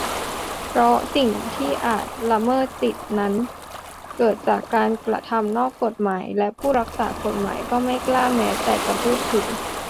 เพราะสิ่งที่อาจละเมิดสิทธินั้นเกิดจากการกระทำนอกกฎหมาย และผู้รักษากฎหมายก็ไม่กล้าแม้แต่จะพูดถึง